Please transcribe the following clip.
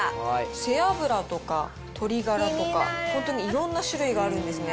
背脂とか鶏ガラとか、本当にいろんな種類があるんですね。